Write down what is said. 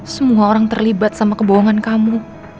semua orang terlibat sama kebohongan kamu